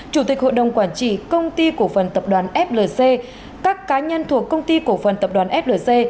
chủ tịch hội đồng quản trị công ty cổ phần tập đoàn flc các cá nhân thuộc công ty cổ phần tập đoàn flc